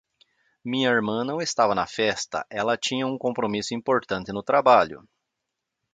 Minha irmã não estava na festa, ela tinha um compromisso importante no trabalho.